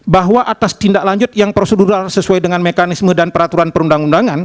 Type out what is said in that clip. bahwa atas tindak lanjut yang prosedural sesuai dengan mekanisme dan peraturan perundang undangan